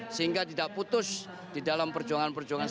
sehingga tidak putus di dalam perjuangan perjuangan